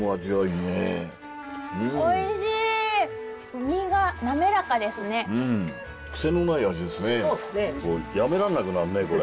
やめられなくなるねこれ。